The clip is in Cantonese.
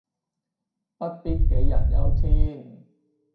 不必杞人憂天